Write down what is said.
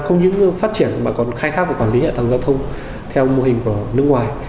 không những phát triển mà còn khai thác và quản lý hạ tầng giao thông theo mô hình của nước ngoài